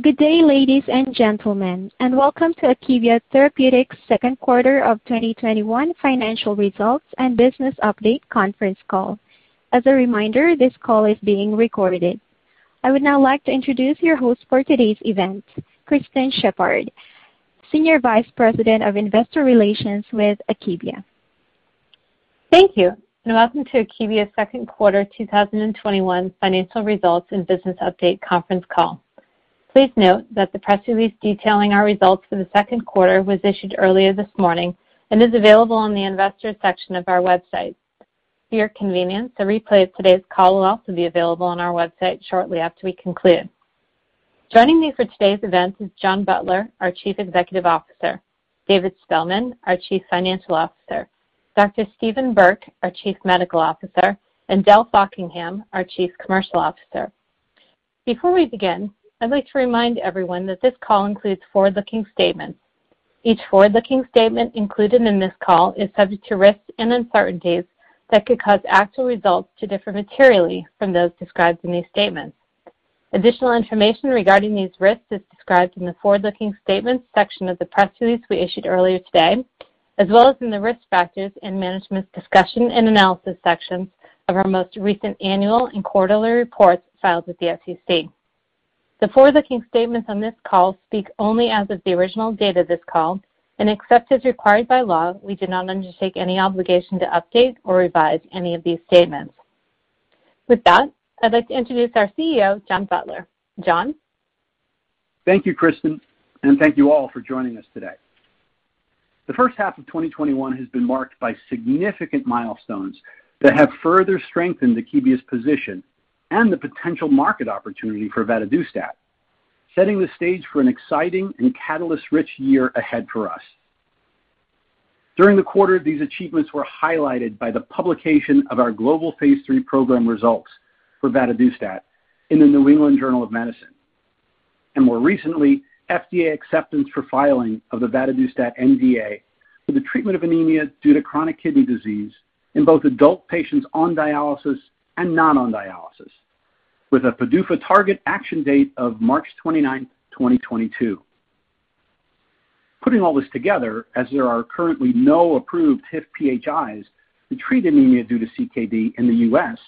Good day, ladies and gentlemen, and welcome to Akebia Therapeutics' Second Quarter of 2021 Financial Results and Business Update Conference Call. As a reminder, this call is being recorded. I would now like to introduce your host for today's event, Kristen Sheppard, Senior Vice President of Investor Relations with Akebia. Thank you, and welcome to Akebia's Second Quarter 2021 Financial Results and Business Update Conference Call. Please note that the press release detailing our results for the second quarter was issued earlier this morning and is available on the Investors section of our website. For your convenience, a replay of today's call will also be available on our website shortly after we conclude. Joining me for today's event is John Butler, our Chief Executive Officer, David Spellman, our Chief Financial Officer, Dr. Steven Burke, our Chief Medical Officer, and Dell Faulkingham, our Chief Commercial Officer. Before we begin, I'd like to remind everyone that this call includes forward-looking statements. Each forward-looking statement included in this call is subject to risks and uncertainties that could cause actual results to differ materially from those described in these statements. Additional information regarding these risks is described in the Forward-Looking Statements section of the press release we issued earlier today, as well as in the Risk Factors and Management Discussion and Analysis sections of our most recent annual and quarterly reports filed with the SEC. The forward-looking statements on this call speak only as of the original date of this call, and except as required by law, we do not undertake any obligation to update or revise any of these statements. With that, I'd like to introduce our CEO, John Butler. John? Thank you, Kristen, and thank you all for joining us today. The first half of 2021 has been marked by significant milestones that have further strengthened Akebia's position and the potential market opportunity for vadadustat, setting the stage for an exciting and catalyst-rich year ahead for us. During the quarter, these achievements were highlighted by the publication of our global phase III program results for vadadustat in the New England Journal of Medicine. More recently, FDA acceptance for filing of the vadadustat NDA for the treatment of anemia due to chronic kidney disease in both adult patients on dialysis and not on dialysis with a PDUFA target action date of March 29th, 2022. Putting all this together, as there are currently no approved HIF-PHIs to treat anemia due to CKD in the U.S.,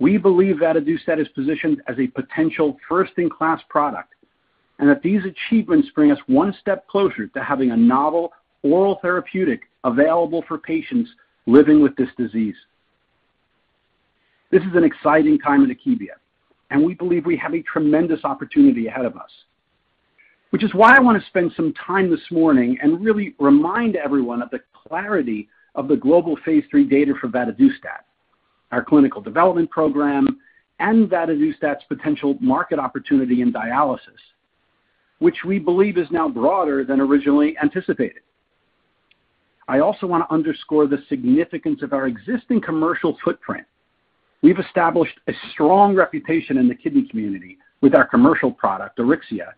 we believe vadadustat is positioned as a potential first-in-class product and that these achievements bring us one step closer to having a novel oral therapeutic available for patients living with this disease. This is an exciting time at Akebia, and we believe we have a tremendous opportunity ahead of us. Which is why I want to spend some time this morning and really remind everyone of the clarity of the global phase III data for vadadustat, our clinical development program, and vadadustat's potential market opportunity in dialysis, which we believe is now broader than originally anticipated. I also want to underscore the significance of our existing commercial footprint. We've established a strong reputation in the kidney community with our commercial product, Auryxia,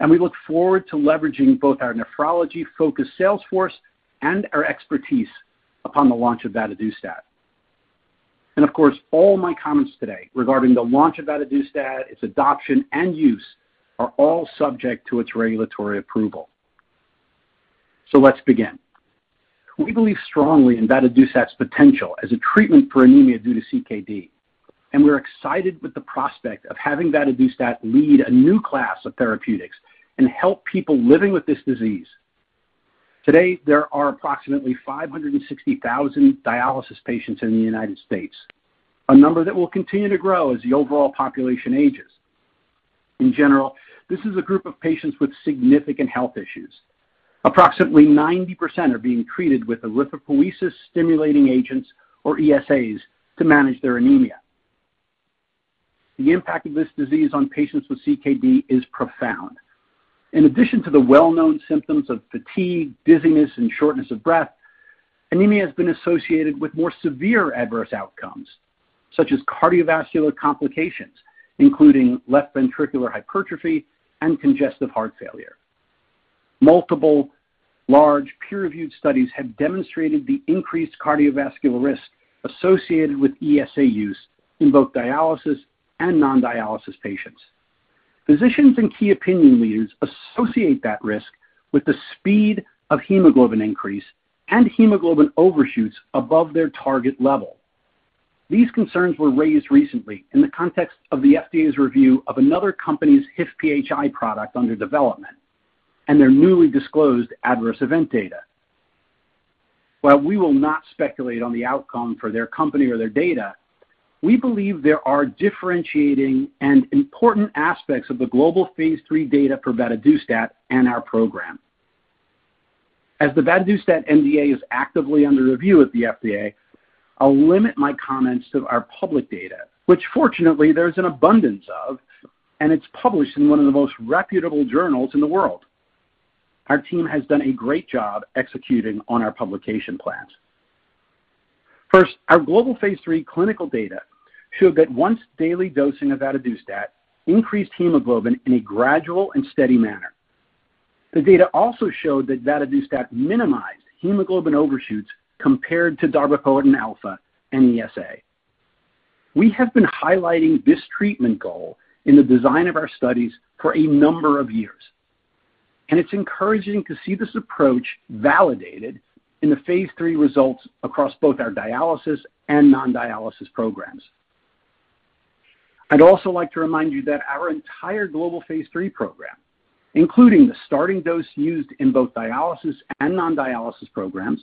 and we look forward to leveraging both our nephrology-focused sales force and our expertise upon the launch of vadadustat. Of course, all my comments today regarding the launch of vadadustat, its adoption, and use are all subject to its regulatory approval. Let's begin. We believe strongly in vadadustat's potential as a treatment for anemia due to CKD, and we're excited with the prospect of having vadadustat lead a new class of therapeutics and help people living with this disease. Today, there are approximately 560,000 dialysis patients in the U.S., a number that will continue to grow as the overall population ages. In general, this is a group of patients with significant health issues. Approximately 90% are being treated with erythropoiesis-stimulating agents, or ESAs, to manage their anemia. The impact of this disease on patients with CKD is profound. In addition to the well-known symptoms of fatigue, dizziness, and shortness of breath, anemia has been associated with more severe adverse outcomes, such as cardiovascular complications, including left ventricular hypertrophy and congestive heart failure. Multiple large peer-reviewed studies have demonstrated the increased cardiovascular risk associated with ESA use in both dialysis and non-dialysis patients. Physicians and key opinion leaders associate that risk with the speed of hemoglobin increase and hemoglobin overshoots above their target level. These concerns were raised recently in the context of the FDA's review of another company's HIF-PHI product under development and their newly disclosed adverse event data. While we will not speculate on the outcome for their company or their data, we believe there are differentiating and important aspects of the global phase III data for vadadustat and our program. As the vadadustat NDA is actively under review at the FDA, I'll limit my comments to our public data, which fortunately there's an abundance of, and it's published in one of the most reputable journals in the world. Our team has done a great job executing on our publication plans. First, our global Phase III clinical data show that once-daily dosing of vadadustat increased hemoglobin in a gradual and steady manner. The data also showed that vadadustat minimized hemoglobin overshoots compared to darbepoetin alfa and ESA. We have been highlighting this treatment goal in the design of our studies for a number of years, and it's encouraging to see this approach validated in the Phase III results across both our dialysis and non-dialysis programs. I'd also like to remind you that our entire global phase III program, including the starting dose used in both dialysis and non-dialysis programs,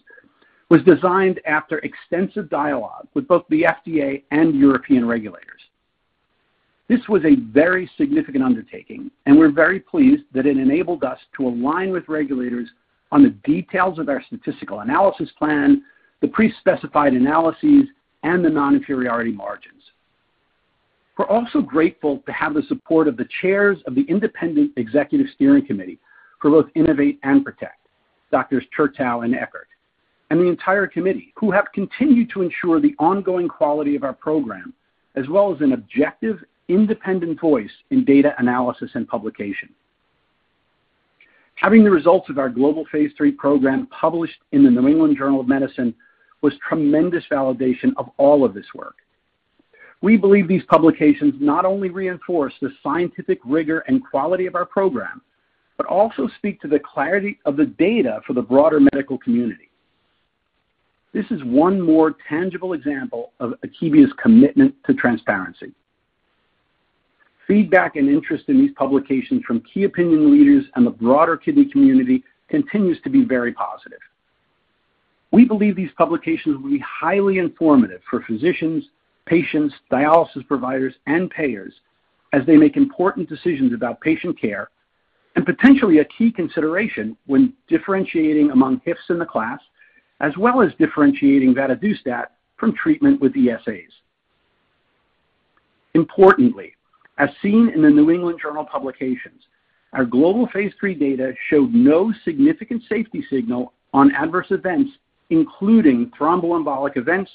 was designed after extensive dialogue with both the FDA and European regulators. This was a very significant undertaking, and we're very pleased that it enabled us to align with regulators on the details of our statistical analysis plan, the pre-specified analyses, and the non-inferiority margins. We're also grateful to have the support of the chairs of the independent executive steering committee for both INNO2VATE and PRO2TECT, Doctors Chertow and Eckardt, and the entire committee, who have continued to ensure the ongoing quality of our program, as well as an objective, independent voice in data analysis and publication. Having the results of our global phase III program published in the "New England Journal of Medicine" was tremendous validation of all of this work. We believe these publications not only reinforce the scientific rigor and quality of our program, but also speak to the clarity of the data for the broader medical community. This is one more tangible example of Akebia's commitment to transparency. Feedback and interest in these publications from key opinion leaders and the broader kidney community continues to be very positive. We believe these publications will be highly informative for physicians, patients, dialysis providers, and payers as they make important decisions about patient care, and potentially a key consideration when differentiating among HIFs in the class, as well as differentiating vadadustat from treatment with ESAs. Importantly, as seen in the "New England Journal" publications, our global phase III data showed no significant safety signal on adverse events, including thromboembolic events,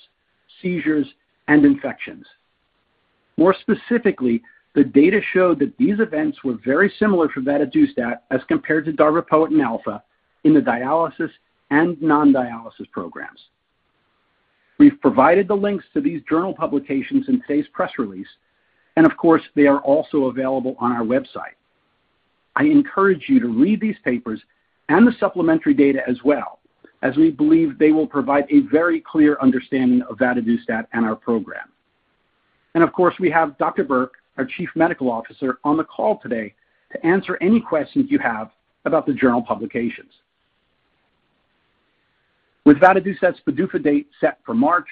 seizures, and infections. More specifically, the data showed that these events were very similar for vadadustat as compared to darbepoetin alfa in the dialysis and non-dialysis programs. We've provided the links to these journal publications in today's press release. Of course, they are also available on our website. I encourage you to read these papers and the supplementary data as well, as we believe they will provide a very clear understanding of vadadustat and our program. Of course, we have Dr. Burke, our chief medical officer, on the call today to answer any questions you have about the journal publications. With vadadustat's PDUFA date set for March,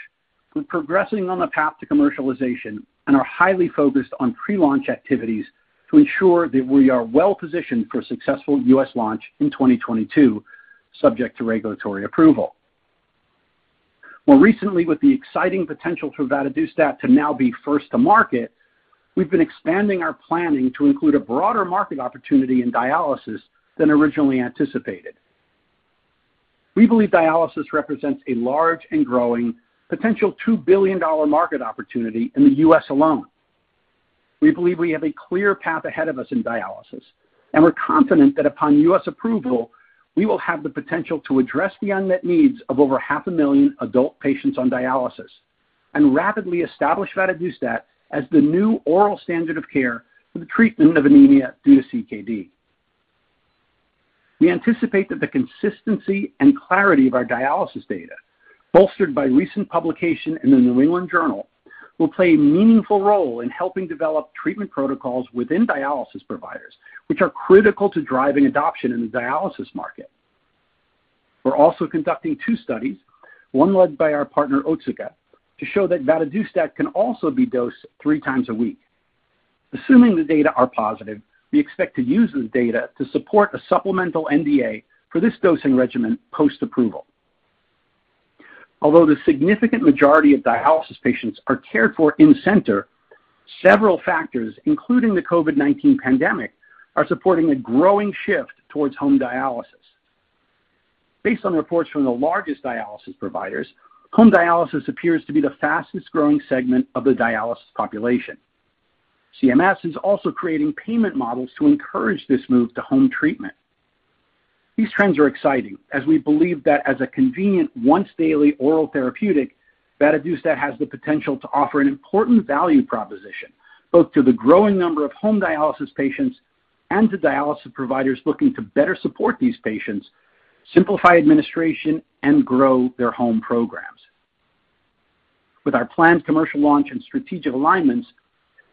we're progressing on the path to commercialization and are highly focused on pre-launch activities to ensure that we are well-positioned for a successful U.S. launch in 2022, subject to regulatory approval. More recently, with the exciting potential for vadadustat to now be first to market, we've been expanding our planning to include a broader market opportunity in dialysis than originally anticipated. We believe dialysis represents a large and growing potential $2 billion market opportunity in the U.S. alone. We believe we have a clear path ahead of us in dialysis, and we're confident that upon U.S. approval, we will have the potential to address the unmet needs of over half a million adult patients on dialysis and rapidly establish vadadustat as the new oral standard of care for the treatment of anemia due to CKD. We anticipate that the consistency and clarity of our dialysis data, bolstered by recent publication in the "New England Journal," will play a meaningful role in helping develop treatment protocols within dialysis providers, which are critical to driving adoption in the dialysis market. We're also conducting two studies, one led by our partner, Otsuka, to show that vadadustat can also be dosed 3x a week. Assuming the data are positive, we expect to use this data to support a supplemental NDA for this dosing regimen post-approval. Although the significant majority of dialysis patients are cared for in-center, several factors, including the COVID-19 pandemic, are supporting a growing shift towards home dialysis. Based on reports from the largest dialysis providers, home dialysis appears to be the fastest-growing segment of the dialysis population. CMS is also creating payment models to encourage this move to home treatment. These trends are exciting, as we believe that as a convenient, once-daily oral therapeutic, vadadustat has the potential to offer an important value proposition, both to the growing number of home dialysis patients and to dialysis providers looking to better support these patients, simplify administration, and grow their home programs. With our planned commercial launch and strategic alignments,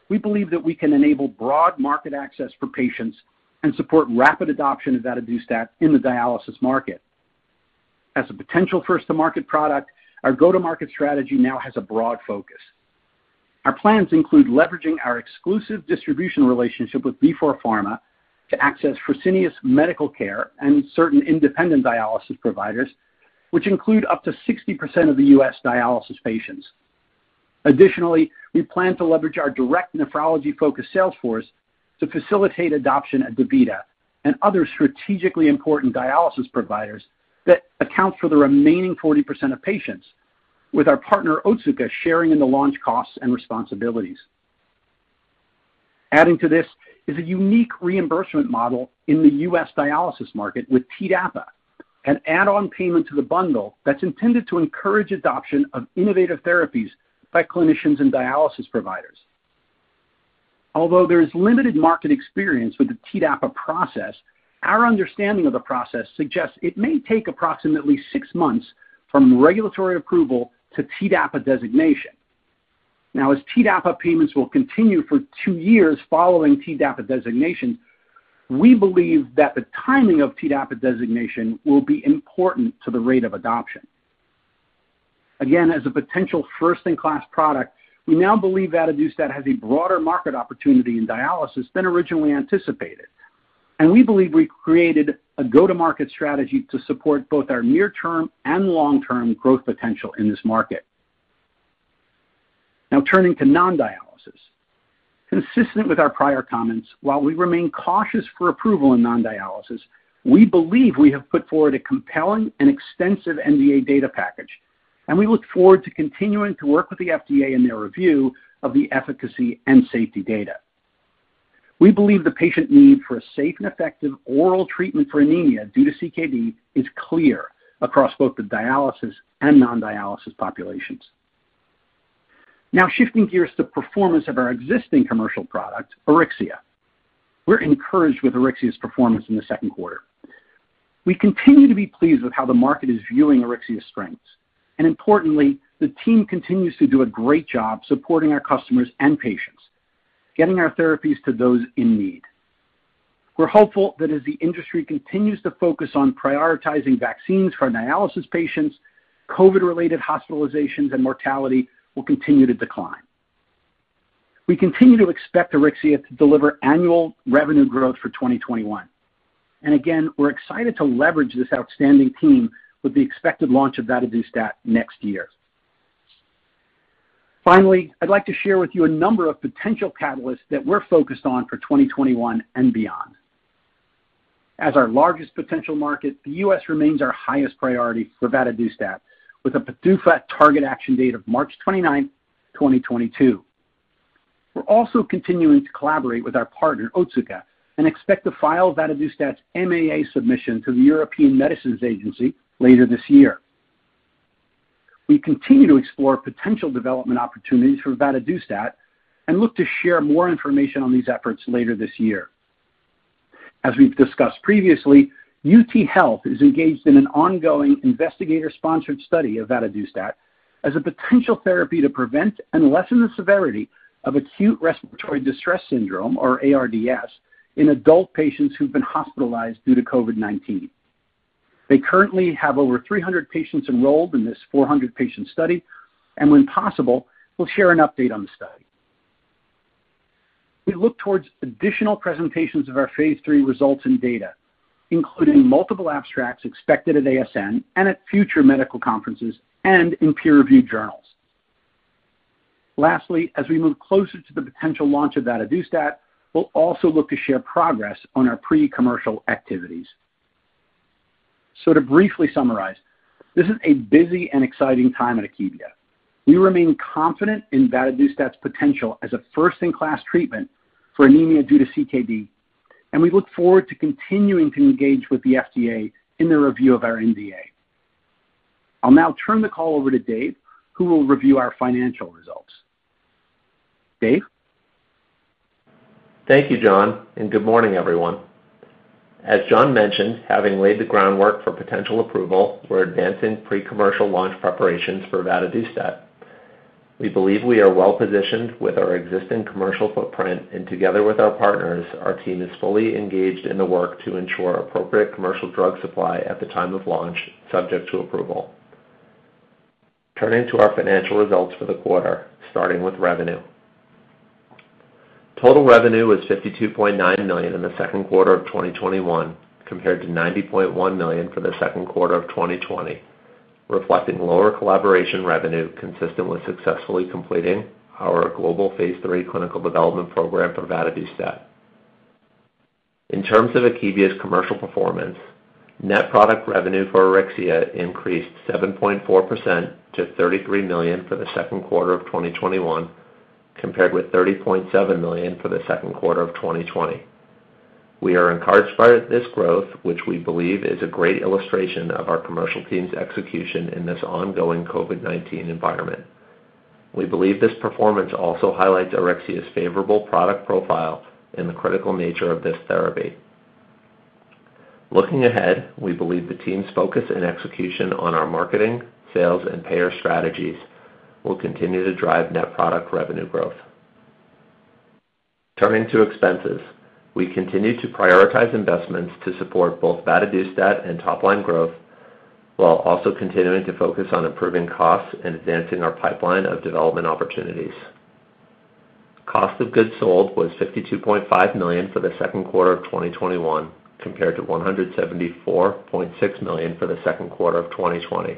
we believe that we can enable broad market access for patients and support rapid adoption of vadadustat in the dialysis market. As a potential first-to-market product, our go-to-market strategy now has a broad focus. Our plans include leveraging our exclusive distribution relationship with Vifor Pharma to access Fresenius Medical Care and certain independent dialysis providers, which include up to 60% of the U.S. dialysis patients. Additionally, we plan to leverage our direct nephrology-focused sales force to facilitate adoption at DaVita and other strategically important dialysis providers that account for the remaining 40% of patients, with our partner, Otsuka, sharing in the launch costs and responsibilities. Adding to this is a unique reimbursement model in the U.S. dialysis market with TDAPA, an add-on payment to the bundle that's intended to encourage adoption of innovative therapies by clinicians and dialysis providers. Although there is limited market experience with the TDAPA process, our understanding of the process suggests it may take approximately six months from regulatory approval to TDAPA designation. Now, as TDAPA payments will continue for two years following TDAPA designation, we believe that the timing of TDAPA designation will be important to the rate of adoption. As a potential first-in-class product, we now believe vadadustat has a broader market opportunity in dialysis than originally anticipated, and we believe we created a go-to-market strategy to support both our near-term and long-term growth potential in this market. Turning to non-dialysis. Consistent with our prior comments, while we remain cautious for approval in non-dialysis, we believe we have put forward a compelling and extensive NDA data package, and we look forward to continuing to work with the FDA in their review of the efficacy and safety data. We believe the patient need for a safe and effective oral treatment for anemia due to CKD is clear across both the dialysis and non-dialysis populations. Shifting gears to performance of our existing commercial product, Auryxia. We're encouraged with Auryxia's performance in the second quarter. We continue to be pleased with how the market is viewing Auryxia's strengths, and importantly, the team continues to do a great job supporting our customers and patients, getting our therapies to those in need. We're hopeful that as the industry continues to focus on prioritizing vaccines for our dialysis patients, COVID-related hospitalizations and mortality will continue to decline. We continue to expect Auryxia to deliver annual revenue growth for 2021. We're excited to leverage this outstanding team with the expected launch of vadadustat next year. Finally, I'd like to share with you a number of potential catalysts that we're focused on for 2021 and beyond. As our largest potential market, the U.S. remains our highest priority for vadadustat, with a PDUFA target action date of March 29th, 2022. We're also continuing to collaborate with our partner, Otsuka, and expect to file vadadustat's MAA submission to the European Medicines Agency later this year. We continue to explore potential development opportunities for vadadustat and look to share more information on these efforts later this year. As we've discussed previously, UT Health is engaged in an ongoing investigator-sponsored study of vadadustat as a potential therapy to prevent and lessen the severity of acute respiratory distress syndrome, or ARDS, in adult patients who've been hospitalized due to COVID-19. They currently have over 300 patients enrolled in this 400-patient study, and when possible, we'll share an update on the study. We look towards additional presentations of our phase III results and data, including multiple abstracts expected at ASN and at future medical conferences and in peer-reviewed journals. Lastly, as we move closer to the potential launch of vadadustat, we'll also look to share progress on our pre-commercial activities. To briefly summarize, this is a busy and exciting time at Akebia. We remain confident in vadadustat's potential as a first-in-class treatment for anemia due to CKD, and we look forward to continuing to engage with the FDA in their review of our NDA. I'll now turn the call over to Dave, who will review our financial results. Dave? Thank you, John. Good morning, everyone. As John mentioned, having laid the groundwork for potential approval, we're advancing pre-commercial launch preparations for vadadustat. We believe we are well positioned with our existing commercial footprint and together with our partners, our team is fully engaged in the work to ensure appropriate commercial drug supply at the time of launch, subject to approval. Turning to our financial results for the quarter, starting with revenue. Total revenue was $52.9 million in the second quarter of 2021, compared to $90.1 million for the second quarter of 2020, reflecting lower collaboration revenue consistent with successfully completing our global phase III clinical development program for vadadustat. In terms of Akebia's commercial performance, net product revenue for Auryxia increased 7.4% to $33 million for the second quarter of 2021, compared with $30.7 million for the second quarter of 2020. We are encouraged by this growth, which we believe is a great illustration of our commercial team's execution in this ongoing COVID-19 environment. We believe this performance also highlights Auryxia's favorable product profile and the critical nature of this therapy. Looking ahead, we believe the team's focus and execution on our marketing, sales, and payer strategies will continue to drive net product revenue growth. Turning to expenses. We continue to prioritize investments to support both vadadustat and top line growth while also continuing to focus on improving costs and advancing our pipeline of development opportunities. Cost of goods sold was $52.5 million for the second quarter of 2021, compared to $174.6 million for the second quarter of 2020.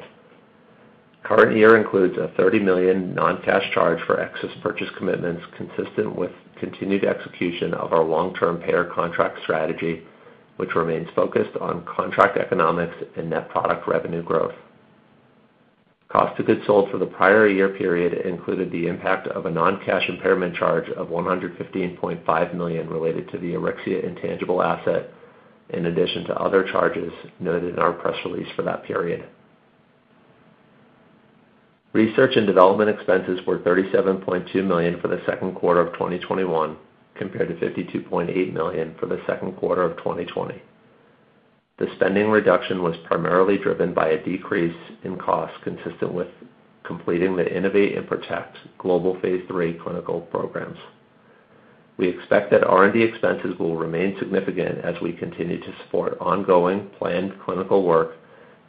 Current year includes a $30 million non-cash charge for excess purchase commitments consistent with continued execution of our long-term payer contract strategy, which remains focused on contract economics and net product revenue growth. Cost of goods sold for the prior year period included the impact of a non-cash impairment charge of $115.5 million related to the Auryxia intangible asset, in addition to other charges noted in our press release for that period. Research and development expenses were $37.2 million for the second quarter of 2021, compared to $52.8 million for the second quarter of 2020. The spending reduction was primarily driven by a decrease in cost, consistent with completing the INNO2VATE and PRO2TECT global phase III clinical programs. We expect that R&D expenses will remain significant as we continue to support ongoing planned clinical work,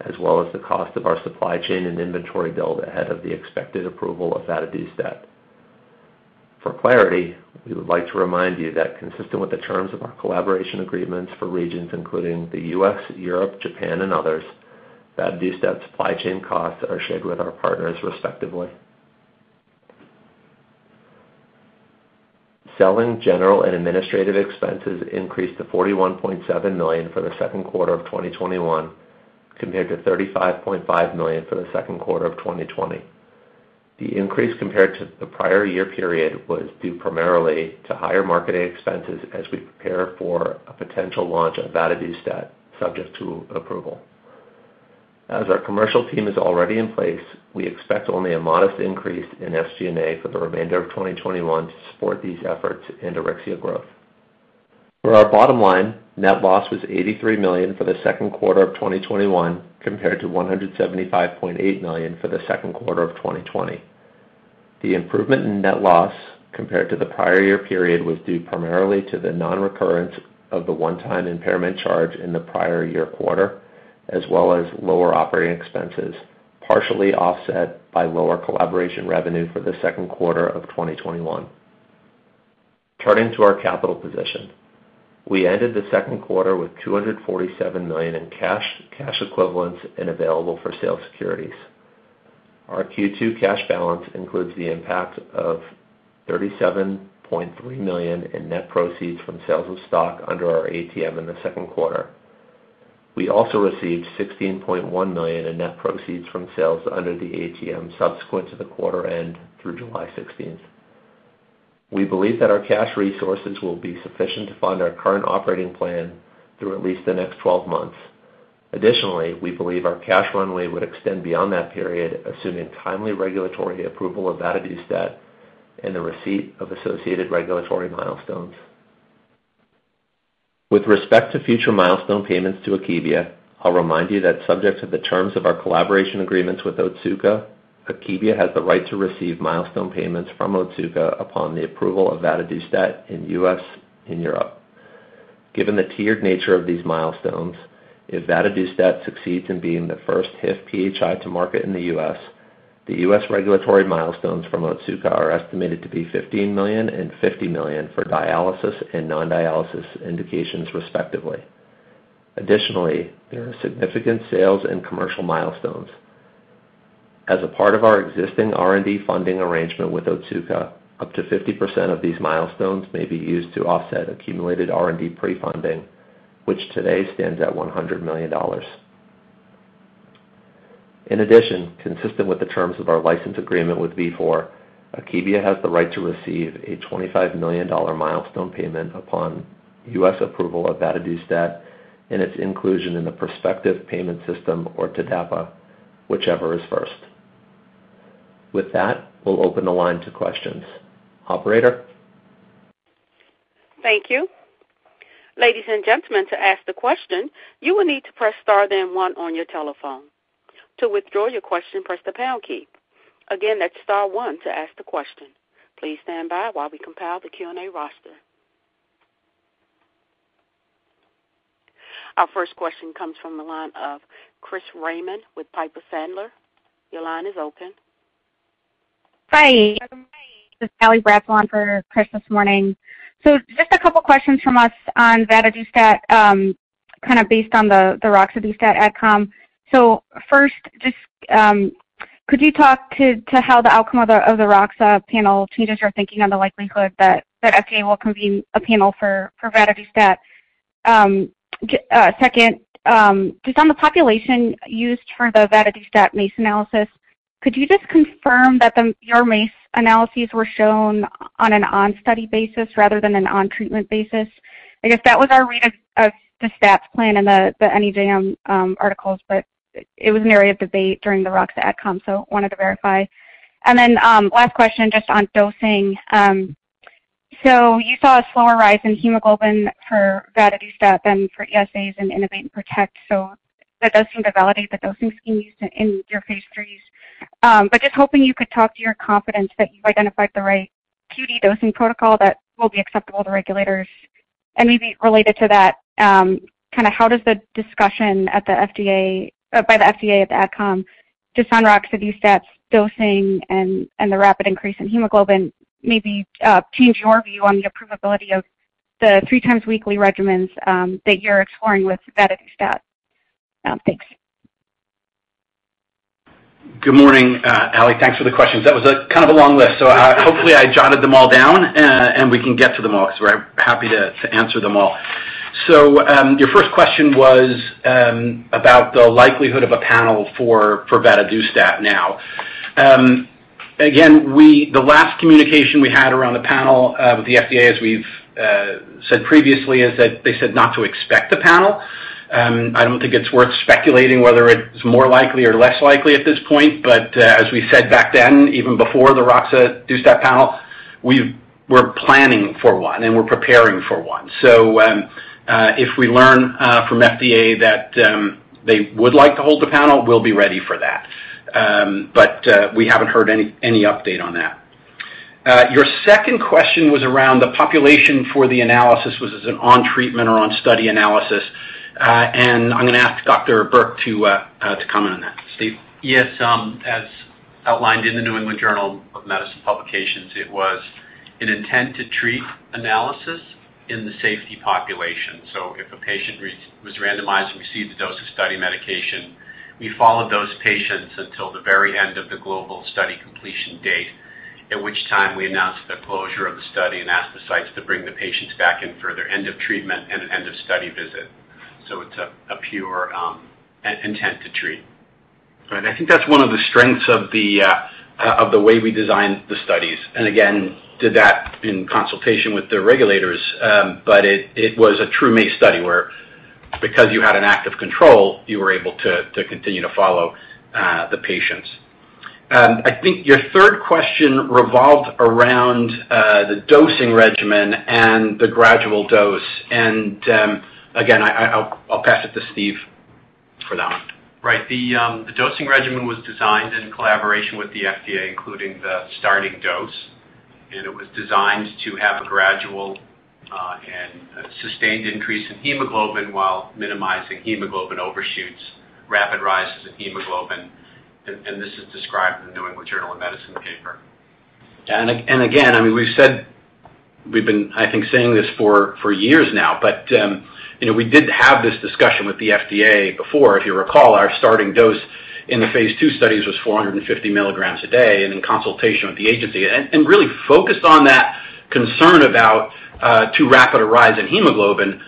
as well as the cost of our supply chain and inventory build ahead of the expected approval of vadadustat. For clarity, we would like to remind you that consistent with the terms of our collaboration agreements for regions including the U.S., Europe, Japan, and others, vadadustat supply chain costs are shared with our partners respectively. Selling, general, and administrative expenses increased to $41.7 million for the second quarter of 2021, compared to $35.5 million for the second quarter of 2020. The increase compared to the prior year period was due primarily to higher marketing expenses as we prepare for a potential launch of vadadustat, subject to approval. As our commercial team is already in place, we expect only a modest increase in SG&A for the remainder of 2021 to support these efforts and Auryxia growth. For our bottom line, net loss was $83 million for the second quarter of 2021, compared to $175.8 million for the second quarter of 2020. The improvement in net loss compared to the prior year period was due primarily to the non-recurrence of the one-time impairment charge in the prior year quarter, as well as lower operating expenses, partially offset by lower collaboration revenue for the second quarter of 2021. Turning to our capital position. We ended the second quarter with $247 million in cash equivalents, and available-for-sale securities. Our Q2 cash balance includes the impact of $37.3 million in net proceeds from sales of stock under our ATM in the second quarter. We also received $16.1 million in net proceeds from sales under the ATM subsequent to the quarter end through July 16th. We believe that our cash resources will be sufficient to fund our current operating plan through at least the next 12 months. We believe our cash runway would extend beyond that period, assuming timely regulatory approval of vadadustat and the receipt of associated regulatory milestones. With respect to future milestone payments to Akebia, I'll remind you that subject to the terms of our collaboration agreements with Otsuka, Akebia has the right to receive milestone payments from Otsuka upon the approval of vadadustat in U.S. and Europe. Given the tiered nature of these milestones, if vadadustat succeeds in being the first HIF-PHI to market in the U.S., the U.S. regulatory milestones from Otsuka are estimated to be $15 million and $50 million for dialysis and non-dialysis indications, respectively. Additionally, there are significant sales and commercial milestones. As a part of our existing R&D funding arrangement with Otsuka, up to 50% of these milestones may be used to offset accumulated R&D pre-funding, which today stands at $100 million. In addition, consistent with the terms of our license agreement with Vifor, Akebia has the right to receive a $25 million milestone payment upon U.S. approval of vadadustat and its inclusion in the prospective payment system or TDAPA, whichever is first. With that, we'll open the line to questions. Operator? Thank you. Ladies and gentlemen, to ask the question, you will need to press star then one on your telephone. To withdraw your question, press the pound key. Again, that's star one to ask the question. Please stand by while we compile the Q&A roster. Our first question comes from the line of Chris Raymond with Piper Sandler. Your line is open. Hi. This is Allison Bratzel for Chris this morning. Just a couple of questions from us on vadadustat, based on the roxadustat AdCom. First, could you talk to how the outcome of the roxadustat panel changes your thinking on the likelihood that the FDA will convene a panel for vadadustat? Second, just on the population used for the vadadustat MACE analysis, could you just confirm that your MACE analyses were shown on an on-study basis rather than an on-treatment basis? I guess that was our read of the stats plan and the NEJM articles, but it was an area of debate during the roxadustat AdCom. We wanted to verify. Last question, just on dosing. You saw a slower rise in hemoglobin for vadadustat than for ESAs in INNO2VATE and PRO2TECT, that does seem to validate the dosing scheme used in your phase III. Just hoping you could talk to your confidence that you've identified the right QD dosing protocol that will be acceptable to regulators. Maybe related to that, how does the discussion by the FDA at the AdCom just on roxadustat dosing and the rapid increase in hemoglobin maybe change your view on the approvability of the 3x weekly regimens that you're exploring with vadadustat? Thanks. Good morning, Allison. Thanks for the questions. That was a long list, hopefully I jotted them all down and we can get to them all because we're happy to answer them all. Your first question was about the likelihood of a panel for vadadustat now. Again, the last communication we had around the panel with the FDA, as we've said previously, is that they said not to expect the panel. I don't think it's worth speculating whether it's more likely or less likely at this point. As we said back then, even before the roxadustat panel, we're planning for 1 and we're preparing for 1. If we learn from FDA that they would like to hold a panel, we'll be ready for that. We haven't heard any update on that. Your second question was around the population for the analysis, was this an on-treatment or on-study analysis? I'm going to ask Dr. Burke to comment on that. Steve? Yes. As outlined in the New England Journal of Medicine publications, it was an intent to treat analysis in the safety population. If a patient was randomized and received a dose of study medication, we followed those patients until the very end of the global study completion date, at which time we announced the closure of the study and asked the sites to bring the patients back in for their end of treatment and end of study visit. It's a pure intent to treat. Right. I think that's one of the strengths of the way we designed the studies, and again, did that in consultation with the regulators. It was a true MACE study where, because you had an active control, you were able to continue to follow the patients. I think your third question revolved around the dosing regimen and the gradual dose. Again, I'll pass it to Steve for that one. Right. The dosing regimen was designed in collaboration with the FDA, including the starting dose, and it was designed to have a gradual, and sustained increase in hemoglobin while minimizing hemoglobin overshoots, rapid rises in hemoglobin, and this is described in the New England Journal of Medicine paper. Again, we've been, I think, saying this for years now, but we did have this discussion with the FDA before. If you recall, our starting dose in the phase II studies was 450 mg a day and in consultation with the agency. Really focused on that concern about too rapid a rise in hemoglobin.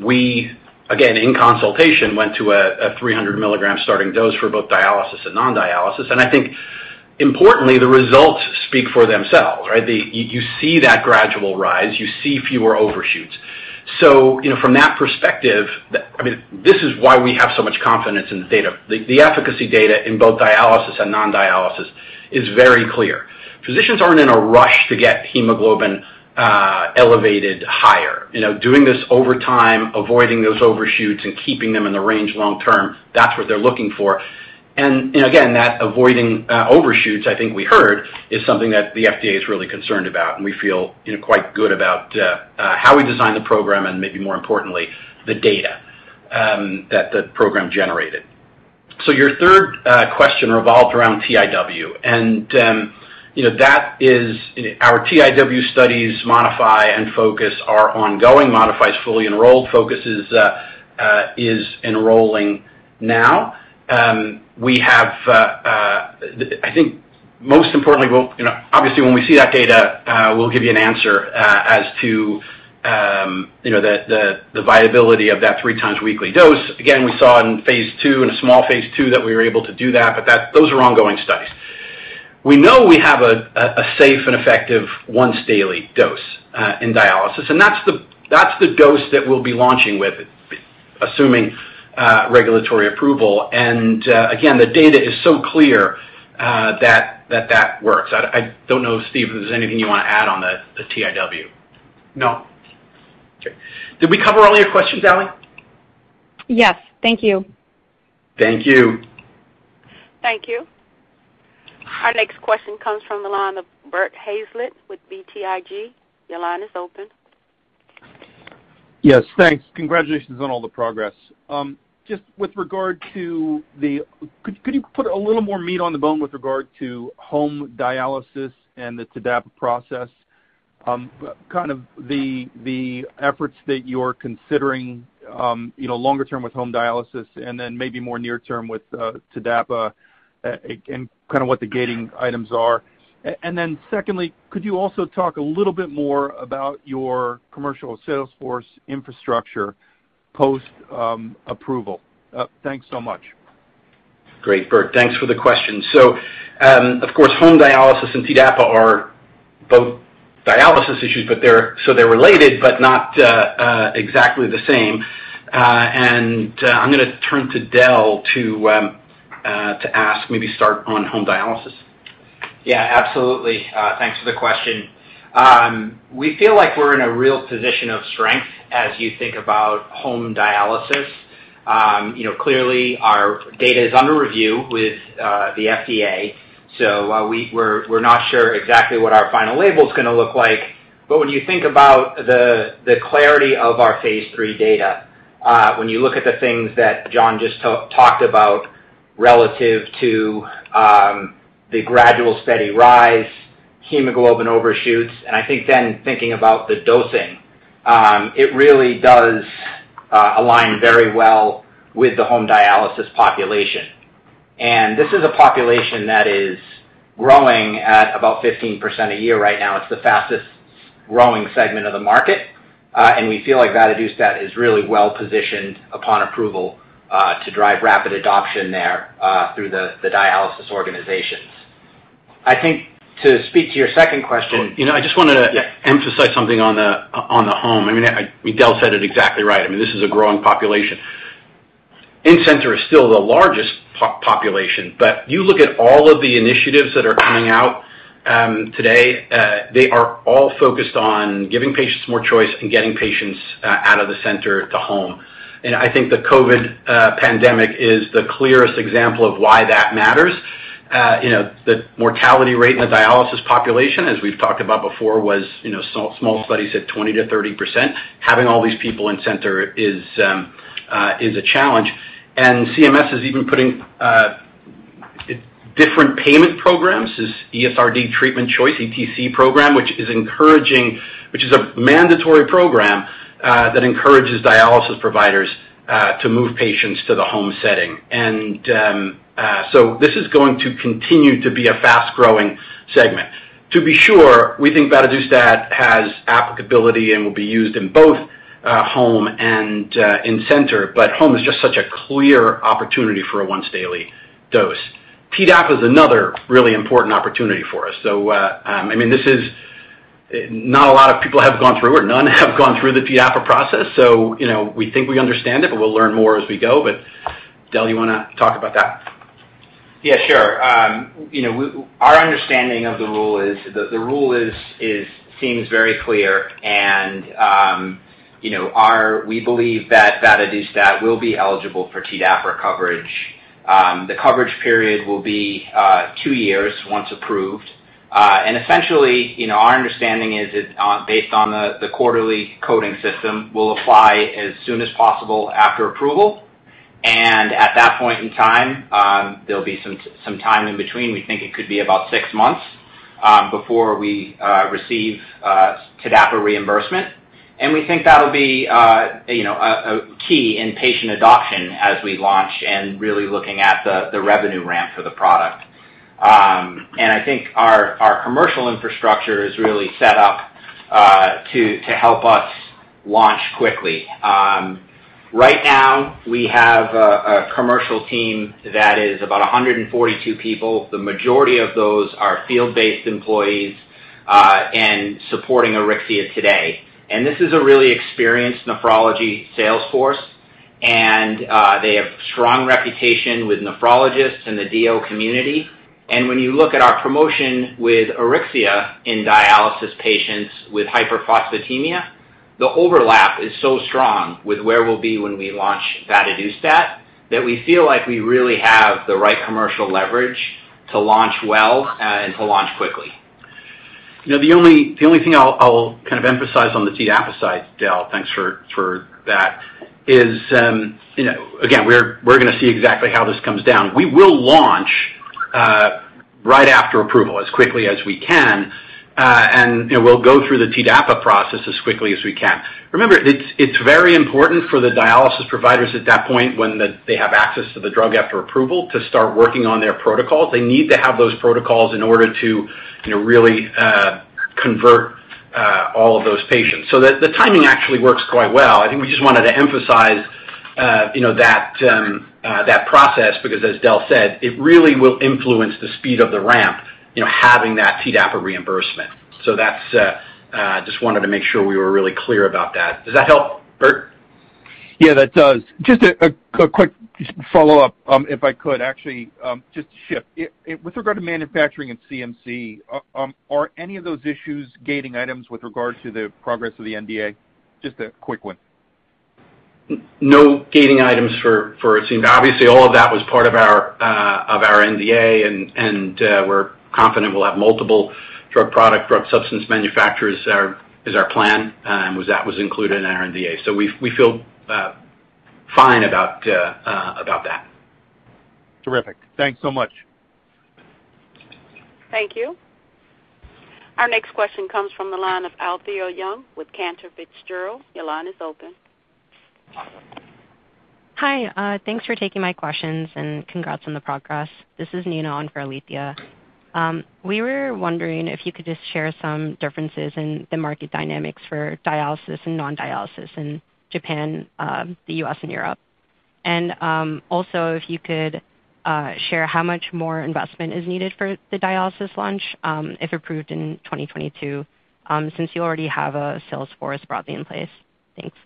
We, again, in consultation, went to a 300 mg starting dose for both dialysis and non-dialysis. I think importantly, the results speak for themselves, right? You see that gradual rise, you see fewer overshoots. From that perspective, this is why we have so much confidence in the data. The efficacy data in both dialysis and non-dialysis is very clear. Physicians aren't in a rush to get hemoglobin elevated higher. Doing this over time, avoiding those overshoots and keeping them in the range long-term, that's what they're looking for. Again, that avoiding overshoots, I think we heard, is something that the FDA is really concerned about, and we feel quite good about how we designed the program and maybe more importantly, the data that the program generated. Your third question revolved around TIW, and our TIW studies, Modify and FO2CUS, are ongoing. Modify is fully enrolled. FO2CUS is enrolling now. I think most importantly, obviously, when we see that data, we'll give you an answer as to the viability of that three times weekly dose. Again, we saw in phase II, in a small phase II, that we were able to do that, but those are ongoing studies. We know we have a safe and effective once daily dose in dialysis, and that's the dose that we'll be launching with, assuming regulatory approval. Again, the data is so clear that that works. I don't know, Steve, if there's anything you want to add on the TIW? No. Okay. Did we cover all your questions, Alli? Yes. Thank you. Thank you. Thank you. Our next question comes from the line of Bert Hazlett with BTIG. Your line is open. Yes, thanks. Congratulations on all the progress. Could you put a little more meat on the bone with regard to home dialysis and the TDAPA process? Kind of the efforts that you're considering longer term with home dialysis and then maybe more near term with TDAPA, and kind of what the gating items are. Secondly, could you also talk a little bit more about your commercial sales force infrastructure post-approval? Thanks so much. Great, Bert. Thanks for the question. Of course, home dialysis and TDAPA are both dialysis issues, so they're related, but not exactly the same. I'm going to turn to Dell to ask, maybe start on home dialysis. Yeah, absolutely. Thanks for the question. We feel like we're in a real position of strength as you think about home dialysis. Clearly our data is under review with the FDA, so we're not sure exactly what our final label's going to look like. When you think about the clarity of our phase III data, when you look at the things that John just talked about relative to the gradual steady rise, hemoglobin overshoots, and I think then thinking about the dosing, it really does align very well with the home dialysis population. This is a population that is growing at about 15% a year right now. It's the fastest-growing segment of the market. We feel like vadadustat is really well-positioned upon approval to drive rapid adoption there through the dialysis organizations. I think to speak to your second question. I just want to emphasize something on the home. I mean, Dell said it exactly right. I mean, this is a growing population. In-center is still the largest population, but you look at all of the initiatives that are coming out today, they are all focused on giving patients more choice and getting patients out of the center to home. I think the COVID pandemic is the clearest example of why that matters. The mortality rate in the dialysis population, as we've talked about before, was small studies at 20%-30%. Having all these people in-center is a challenge. CMS is even putting different payment programs, this ESRD Treatment Choice, ETC program, which is a mandatory program that encourages dialysis providers to move patients to the home setting. This is going to continue to be a fast-growing segment. To be sure, we think vadadustat has applicability and will be used in both home and in-center, but home is just such a clear opportunity for a once daily dose. TDAPA is another really important opportunity for us. I mean, not a lot of people have gone through, or none have gone through the TDAPA process. We think we understand it, but we'll learn more as we go. Dell, you want to talk about that? Yeah, sure. Our understanding of the rule is the rule seems very clear. We believe that vadadustat will be eligible for TDAPA coverage. The coverage period will be two years, once approved. Essentially, our understanding is based on the quarterly coding system, will apply as soon as possible after approval. At that point in time, there'll be some time in between. We think it could be about 6 months before we receive TDAPA reimbursement. We think that'll be a key in patient adoption as we launch and really looking at the revenue ramp for the product. I think our commercial infrastructure is really set up to help us launch quickly. Right now, we have a commercial team that is about 142 people. The majority of those are field-based employees and supporting Auryxia today. This is a really experienced nephrology sales force, and they have strong reputation with nephrologists and the DO community. When you look at our promotion with Auryxia in dialysis patients with hyperphosphatemia, the overlap is so strong with where we'll be when we launch vadadustat that we feel like we really have the right commercial leverage to launch well and to launch quickly. The only thing I'll kind of emphasize on the TDAPA side, Dell, thanks for that, is again, we're going to see exactly how this comes down. We will launch right after approval as quickly as we can. We'll go through the TDAPA process as quickly as we can. Remember, it's very important for the dialysis providers at that point, when they have access to the drug after approval, to start working on their protocols. They need to have those protocols in order to really convert all of those patients. The timing actually works quite well. I think we just wanted to emphasize that process because, as Dell said, it really will influence the speed of the ramp, having that TDAPA reimbursement. I just wanted to make sure we were really clear about that. Does that help, Bert? Yeah, that does. Just a quick follow-up if I could actually just shift. With regard to manufacturing and CMC, are any of those issues gating items with regards to the progress of the NDA? Just a quick one. No gating items for it. Obviously, all of that was part of our NDA, and we're confident we'll have multiple drug product, drug substance manufacturers is our plan. That was included in our NDA. We feel fine about that. Terrific. Thanks so much. Thank you. Our next question comes from the line of Alethea Young with Cantor Fitzgerald. Your line is open. Hi. Thanks for taking my questions and congrats on the progress. This is Nina on for Alethea. We were wondering if you could just share some differences in the market dynamics for dialysis and non-dialysis in Japan, the U.S., and Europe. Also if you could share how much more investment is needed for the dialysis launch, if approved in 2022, since you already have a sales force broadly in place. Thanks.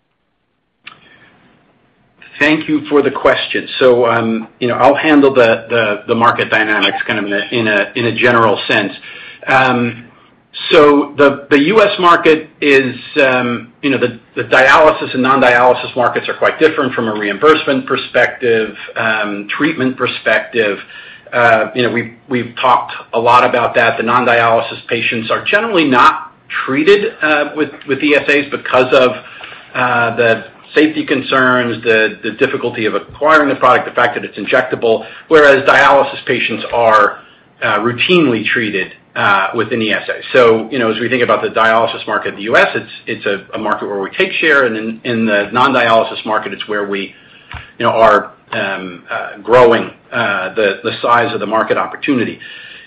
Thank you for the question. I'll handle the market dynamics kind of in a general sense. The U.S. market is the dialysis and non-dialysis markets are quite different from a reimbursement perspective, treatment perspective. We've talked a lot about that. The non-dialysis patients are generally not treated with ESAs because of the safety concerns, the difficulty of acquiring the product, the fact that it's injectable, whereas dialysis patients are routinely treated with ESA. As we think about the dialysis market in the U.S., it's a market where we take share, and in the non-dialysis market, it's where we are growing the size of the market opportunity.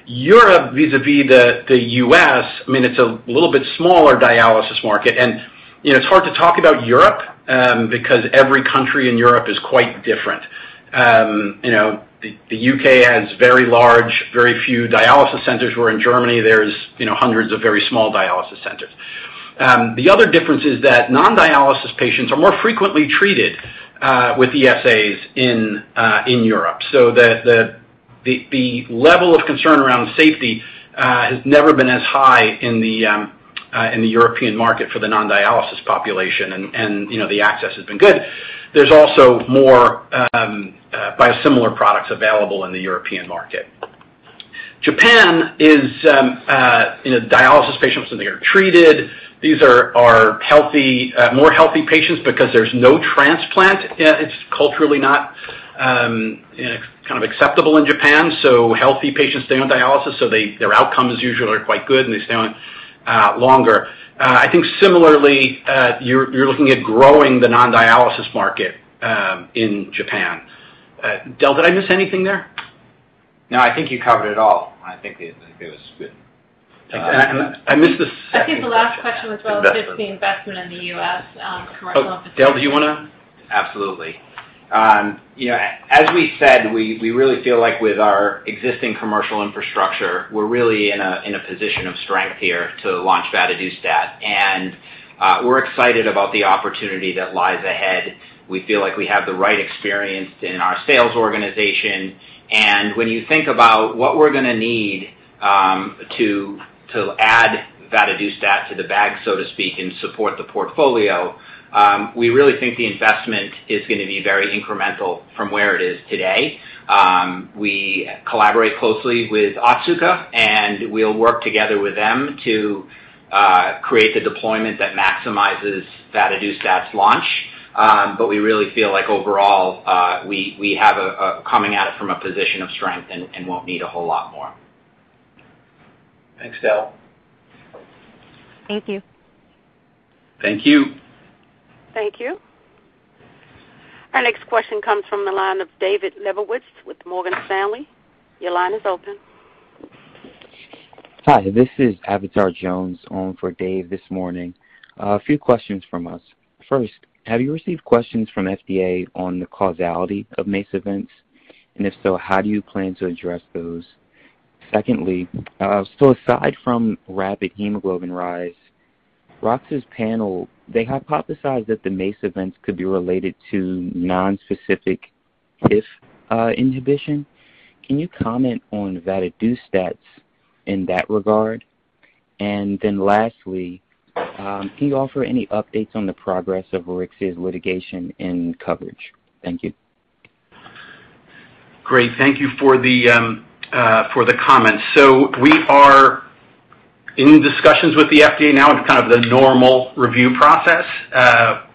Europe vis-a-vis the U.S., it's a little bit smaller dialysis market. It's hard to talk about Europe because every country in Europe is quite different. The U.K. has very large, very few dialysis centers, where in Germany, there's hundreds of very small dialysis centers. The other difference is that non-dialysis patients are more frequently treated with ESAs in Europe. The level of concern around safety has never been as high in the European market for the non-dialysis population, and the access has been good. There's also more biosimilar products available in the European market. Japan is, dialysis patients in there are treated. These are more healthy patients because there's no transplant. It's culturally not acceptable in Japan, so healthy patients stay on dialysis, so their outcomes usually are quite good, and they stay on longer. I think similarly, you're looking at growing the non-dialysis market in Japan. Del, did I miss anything there? No, I think you covered it all. I think it was good. I missed the second question. I think the last question was just the investment in the U.S. commercial. Oh, Dell, do you want to? Absolutely. As we said, we really feel like with our existing commercial infrastructure, we're really in a position of strength here to launch vadadustat. We're excited about the opportunity that lies ahead. We feel like we have the right experience in our sales organization. When you think about what we're going to need to add vadadustat to the bag, so to speak, and support the portfolio, we really think the investment is going to be very incremental from where it is today. We collaborate closely with Otsuka, and we'll work together with them to create the deployment that maximizes vadadustat's launch. We really feel like overall, we have a coming at it from a position of strength and won't need a whole lot more. Thanks, Dell. Thank you. Thank you. Thank you. Our next question comes from the line of David Lebowitz with Morgan Stanley. Your line is open. Hi, this is Ami Fadia on for Dave this morning. A few questions from us. First, have you received questions from FDA on the causality of MACE events? If so, how do you plan to address those? Secondly, aside from rapid hemoglobin rise, roxadustat's panel, they hypothesized that the MACE events could be related to non-specific HIF inhibition. Can you comment on vadadustat in that regard? Lastly, can you offer any updates on the progress of Auryxia's litigation and coverage? Thank you. Great. Thank you for the comments. We are in discussions with the FDA now. It's kind of the normal review process.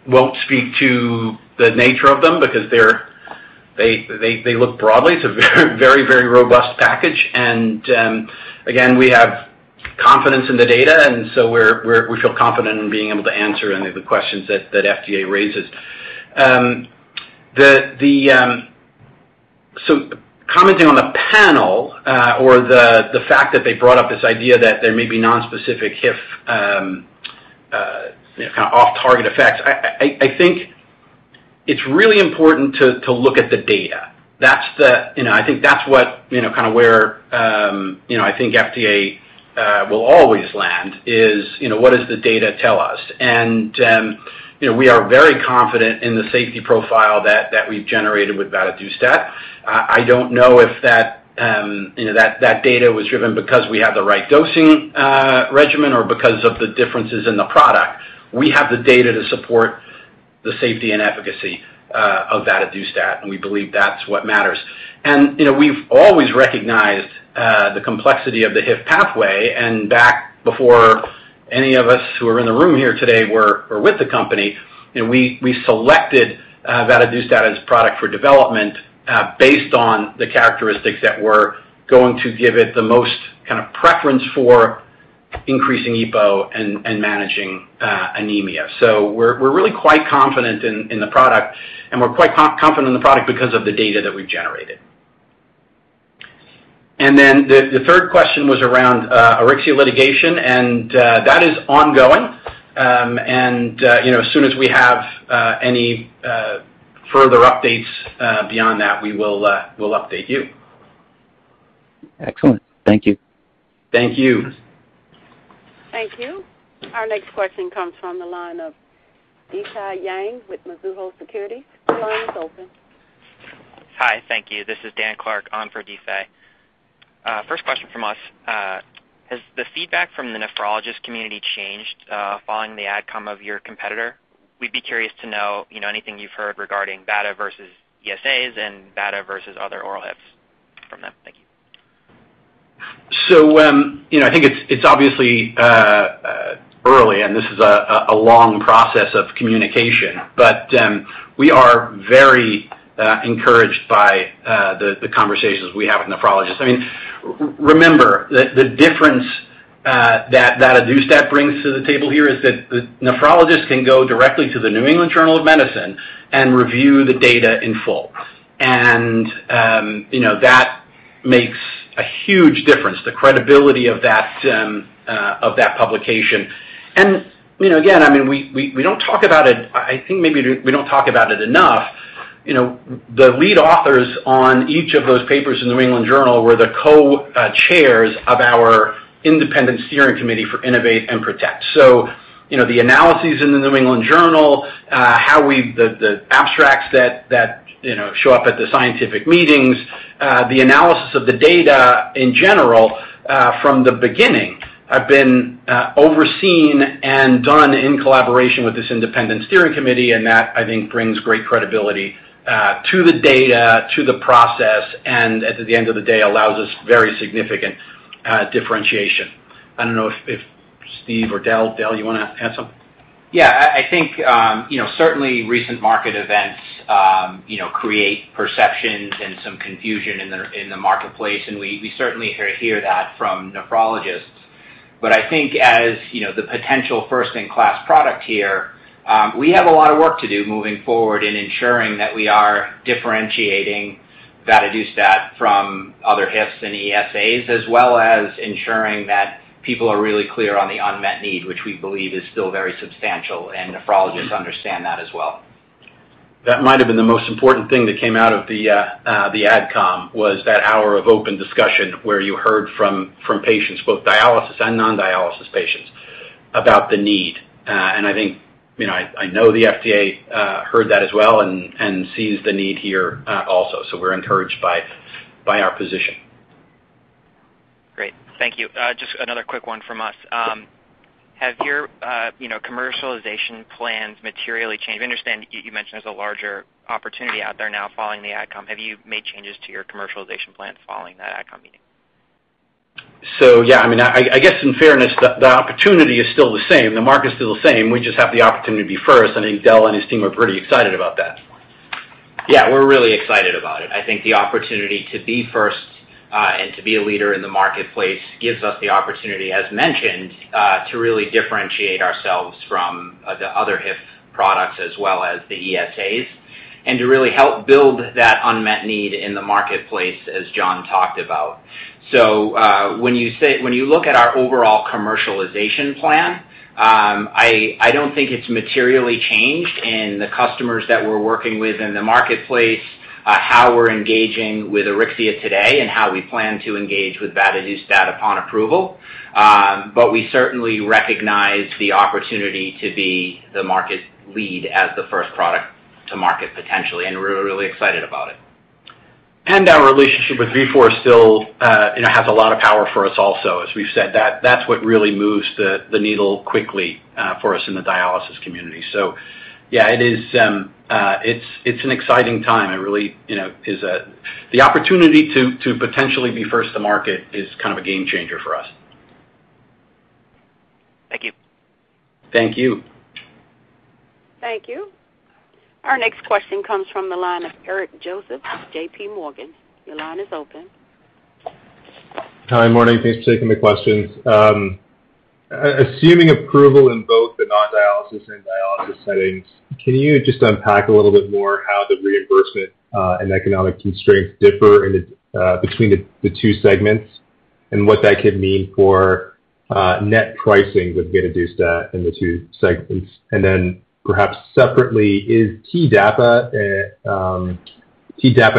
Won't speak to the nature of them because they look broadly. It's a very robust package. Again, we have confidence in the data, and so we feel confident in being able to answer any of the questions that FDA raises. Commenting on the panel or the fact that they brought up this idea that there may be non-specific HIF off-target effects, I think it's really important to look at the data. I think that's where FDA will always land is what does the data tell us? We are very confident in the safety profile that we've generated with vadadustat. I don't know if that data was driven because we have the right dosing regimen or because of the differences in the product. We have the data to support the safety and efficacy of vadadustat, and we believe that's what matters. We've always recognized the complexity of the HIF pathway, and back before any of us who are in the room here today were with the company, we selected vadadustat as a product for development based on the characteristics that were going to give it the most preference for increasing EPO and managing anemia. We're really quite confident in the product, and we're quite confident in the product because of the data that we've generated. The third question was around Auryxia litigation, and that is ongoing. As soon as we have any further updates beyond that, we'll update you. Excellent. Thank you. Thank you. Thank you. Our next question comes from the line of Difei Yang with Mizuho Securities. Your line is open. Hi, thank you. This is Dan Clark on for Difei Yang. First question from us. Has the feedback from the nephrologist community changed following the outcome of your competitor? We'd be curious to know anything you've heard regarding VADA versus ESAs and VADA versus other oral HIFs from them. Thank you. I think it's obviously Again, this is a long process of communication, but we are very encouraged by the conversations we have with nephrologists. Remember, the difference that vadadustat brings to the table here is that the nephrologist can go directly to the New England Journal of Medicine and review the data in full. That makes a huge difference, the credibility of that publication. Again, I think maybe we don't talk about it enough. The lead authors on each of those papers in the New England Journal were the co-chairs of our independent steering committee for INNO2VATE and PRO2TECT. The analyses in The New England Journal, the abstracts that show up at the scientific meetings, the analysis of the data in general from the beginning have been overseen and done in collaboration with this independent steering committee, and that, I think, brings great credibility to the data, to the process, and at the end of the day, allows us very significant differentiation. I don't know if Steve or Dell, you want to add something? Yeah. I think, certainly recent market events create perceptions and some confusion in the marketplace, and we certainly hear that from nephrologists. I think as the potential first-in-class product here, we have a lot of work to do moving forward in ensuring that we are differentiating vadadustat from other HIFs and ESAs, as well as ensuring that people are really clear on the unmet need, which we believe is still very substantial, and nephrologists understand that as well. That might have been the most important thing that came out of the AdCom, was that hour of open discussion where you heard from patients, both dialysis and non-dialysis patients, about the need. I know the FDA heard that as well and sees the need here also. We're encouraged by our position. Great. Thank you. Just another quick one from us. Have your commercialization plans materially changed? I understand you mentioned there's a larger opportunity out there now following the AdCom. Have you made changes to your commercialization plans following that AdCom meeting? Yeah, I guess in fairness, the opportunity is still the same. The market's still the same. We just have the opportunity first. I think Dell and his team are pretty excited about that. Yeah, we're really excited about it. I think the opportunity to be first and to be a leader in the marketplace gives us the opportunity, as mentioned, to really differentiate ourselves from the other HIF products as well as the ESAs, and to really help build that unmet need in the marketplace, as John talked about. When you look at our overall commercialization plan, I don't think it's materially changed in the customers that we're working with in the marketplace, how we're engaging with Auryxia today and how we plan to engage with vadadustat upon approval. We certainly recognize the opportunity to be the market lead as the first product to market potentially, and we're really excited about it. Our relationship with Vifor still has a lot of power for us also, as we've said. That's what really moves the needle quickly for us in the dialysis community. Yeah, it's an exciting time. The opportunity to potentially be first to market is kind of a game changer for us. Thank you. Thank you. Thank you. Our next question comes from the line of Eric Joseph, JPMorgan. Your line is open. Hi. Morning. Thanks for taking the questions. Assuming approval in both the non-dialysis and dialysis settings, can you just unpack a little bit more how the reimbursement and economic constraints differ between the two segments and what that could mean for net pricing with vadadustat in the two segments? Perhaps separately, is TDAPA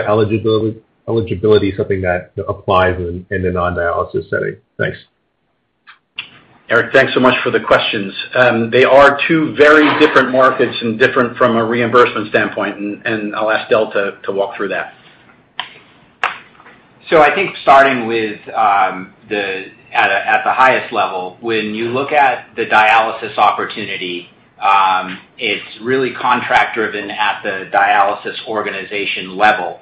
eligibility something that applies in the non-dialysis setting? Thanks. Eric, thanks so much for the questions. They are two very different markets and different from a reimbursement standpoint, I'll ask Dell to walk through that. I think starting at the highest level, when you look at the dialysis opportunity, it's really contract driven at the dialysis organization level.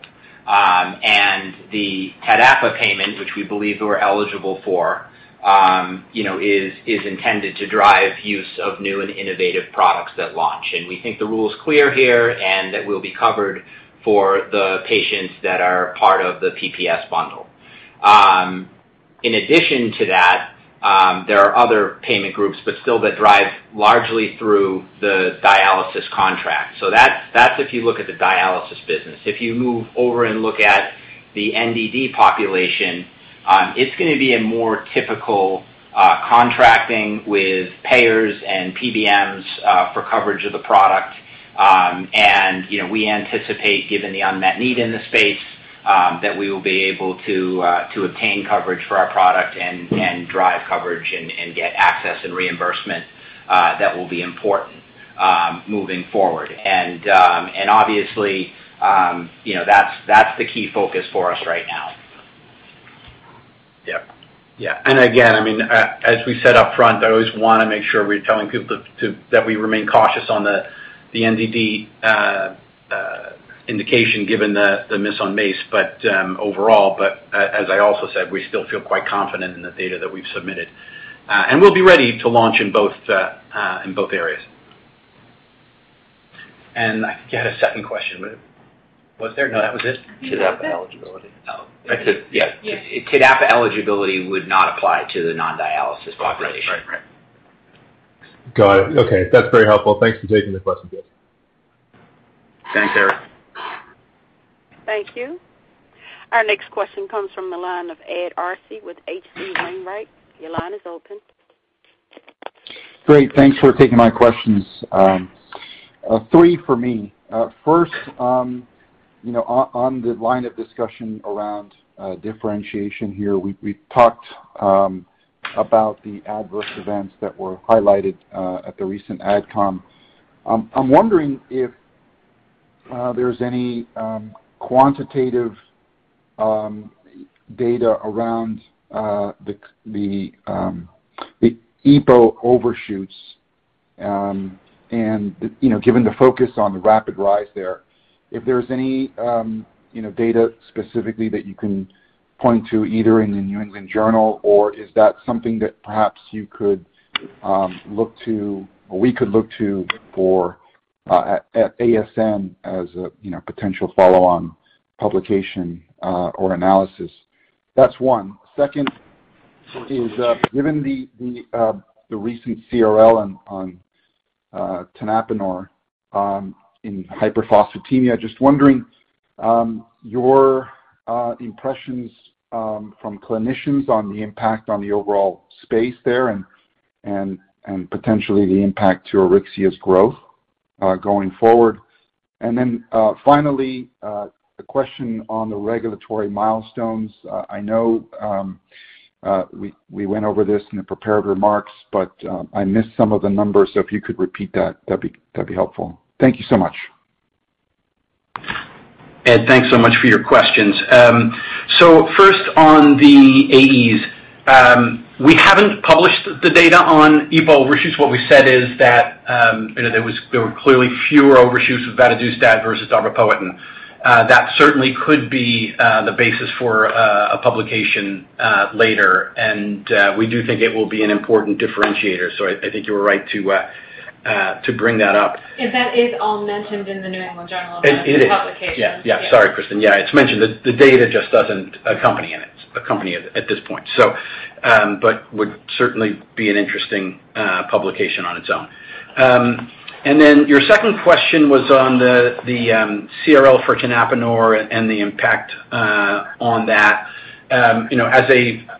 The TDAPA payment, which we believe we're eligible for is intended to drive use of new and innovative products that launch. We think the rule is clear here and that we'll be covered for the patients that are part of the PPS bundle. In addition to that, there are other payment groups, but still that drive largely through the dialysis contract. That's if you look at the dialysis business. If you move over and look at the NDD population, it's going to be a more typical contracting with payers and PBMs for coverage of the product. We anticipate, given the unmet need in the space, that we will be able to obtain coverage for our product and drive coverage and get access and reimbursement that will be important moving forward. Obviously, that's the key focus for us right now. Yeah. Again, as we said up front, I always want to make sure we're telling people that we remain cautious on the NDD indication given the miss on MACE, but overall, but as I also said, we still feel quite confident in the data that we've submitted. We'll be ready to launch in both areas. I think you had a second question. Was there? No, that was it? TDAPA eligibility. I said, yeah. Yes. TDAPA eligibility would not apply to the non-dialysis population. Right. Got it. Okay. That's very helpful. Thanks for taking the question, guys. Thanks, Eric. Thank you. Our next question comes from the line of Ed Arce with H.C. Wainwright & Co. Your line is open. Great. Thanks for taking my questions. Three for me. First, on the line of discussion around differentiation here, we talked about the adverse events that were highlighted at the recent AdCom. I'm wondering if there's any quantitative data around the EPO overshoots and, given the focus on the rapid rise there, if there's any data specifically that you can point to, either in the New England Journal, or is that something that perhaps you could look to, or we could look to for at ASN as a potential follow-on publication or analysis? That's one. Second is, given the recent CRL on tenapanor in hyperphosphatemia, just wondering your impressions from clinicians on the impact on the overall space there and potentially the impact to Auryxia's growth going forward. Then, finally, a question on the regulatory milestones. I know we went over this in the prepared remarks, but I missed some of the numbers. If you could repeat that'd be helpful. Thank you so much. Ed, thanks so much for your questions. First on the AEs. We haven't published the data on EPO overshoots. What we said is that there were clearly fewer overshoots with vadadustat versus darbepoetin. That certainly could be the basis for a publication later, and we do think it will be an important differentiator. I think you were right to bring that up. That is all mentioned in the New England Journal of Medicine of publication. Sorry, Kristen. It's mentioned. The data just doesn't accompany it at this point. Would certainly be an interesting publication on its own. Your second question was on the CRL for tenapanor and the impact on that. As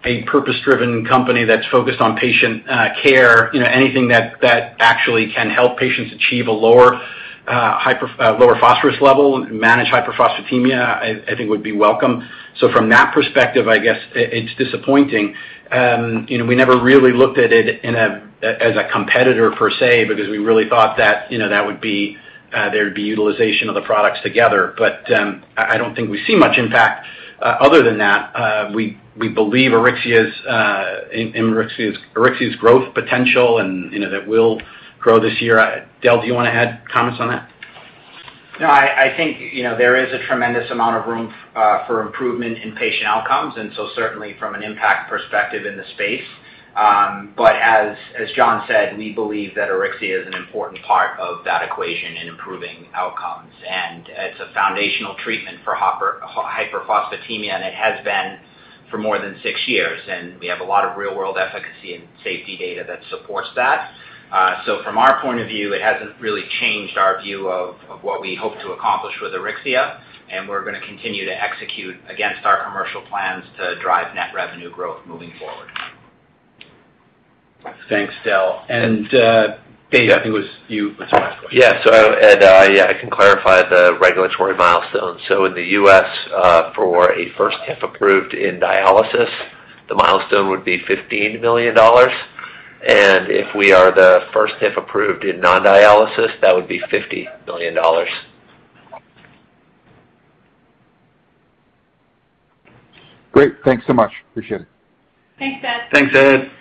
a purpose-driven company that's focused on patient care, anything that actually can help patients achieve a lower phosphorus level, manage hyperphosphatemia, I think would be welcome. From that perspective, I guess it's disappointing. We never really looked at it as a competitor per se because we really thought that there'd be utilization of the products together. I don't think we see much impact other than that. We believe in Auryxia's growth potential, and that we'll grow this year. Dell, do you want to add comments on that? No. I think there is a tremendous amount of room for improvement in patient outcomes. Certainly from an impact perspective in the space. As John said, we believe that Auryxia is an important part of that equation in improving outcomes. It's a foundational treatment for hyperphosphatemia. It has been for more than six years. We have a lot of real-world efficacy and safety data that supports that. From our point of view, it hasn't really changed our view of what we hope to accomplish with Auryxia. We're going to continue to execute against our commercial plans to drive net revenue growth moving forward. Thanks, Dell. Dave, I think it was you that took my last question. Yeah. Ed, I can clarify the regulatory milestones. In the U.S., for a first HIF approved in dialysis, the milestone would be $15 million. If we are the first HIF approved in non-dialysis, that would be $50 million. Great. Thanks so much. Appreciate it. Thanks, Ed. Thanks, Ed.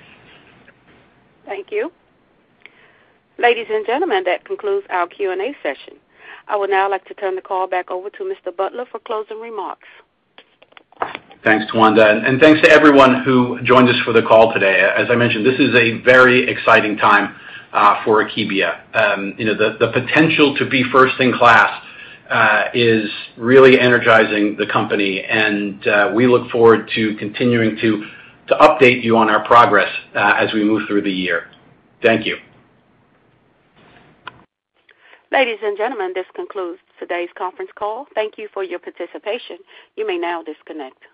Thank you. Ladies and gentlemen, that concludes our Q&A session. I would now like to turn the call back over to Mr. Butler for closing remarks. Thanks, Tawanda. Thanks to everyone who joined us for the call today. As I mentioned, this is a very exciting time for Akebia. The potential to be first in class is really energizing the company and we look forward to continuing to update you on our progress as we move through the year. Thank you. Ladies and gentlemen, this concludes today's conference call. Thank you for your participation. You may now disconnect.